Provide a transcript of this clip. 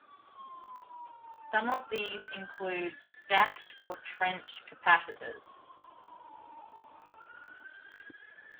Some of these include stacked or trench capacitors.